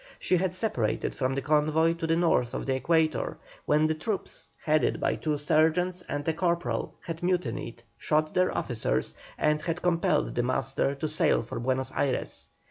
She had separated from the convoy to the north of the equator, when the troops, headed by two sergeants and a corporal, had mutinied, shot their officers, and had compelled the master to sail for Buenos Ayres.